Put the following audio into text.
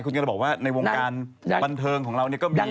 คุณจริงบอกว่าในวงกรรมบรรเทิงของเรานี่ก็มี